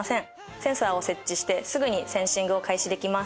センサーを設置してすぐにセンシングを開始できます。